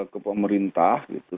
ke pemerintah gitu